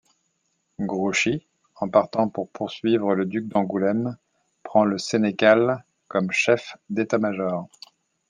Grouchy, en partant pour poursuivre le duc d'Angoulême, prend Le Sénécal comme chef d'état-major.